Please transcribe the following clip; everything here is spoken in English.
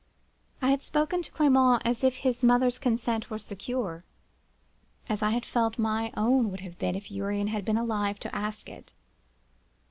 I had spoken to Clement as if his mother's consent were secure (as I had felt my own would have been if Urian had been alive to ask it).